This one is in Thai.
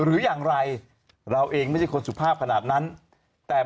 โอ๊ตโอ๊ตโอ๊ตโอ๊ตโอ๊ตโอ๊ตโอ๊ต